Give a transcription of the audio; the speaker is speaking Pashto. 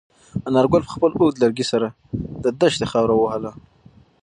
انارګل په خپل اوږد لرګي سره د دښتې خاوره ووهله.